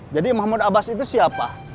jadi mahmud abbas itu siapa